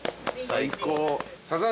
最高。